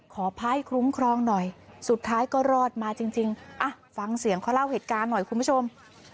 ขอให้คุ้มครองหน่อยสุดท้ายก็รอดมาจริงฟังเสียงเขาเล่าเหตุการณ์หน่อยคุณผู้ชม